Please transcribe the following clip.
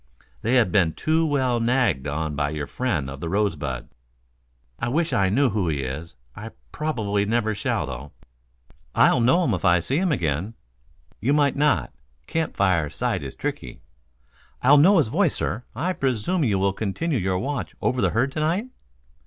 They have been too well nagged on by your friend of the Rosebud. I wish I knew who he is. I probably never shall, though." "I'll know him if I see him again." "You might not. Camp fire sight is tricky." "I'll know his voice, sir. I presume you will continue your watch over the herd to night?"